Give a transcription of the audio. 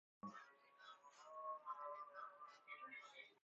سر رسیدن پلیس جمعیت را آرام کرد.